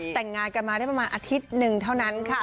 แต่งงานกันมาได้ประมาณอาทิตย์หนึ่งเท่านั้นค่ะ